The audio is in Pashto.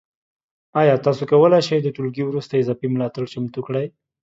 ایا تاسو کولی شئ د ټولګي وروسته اضافي ملاتړ چمتو کړئ؟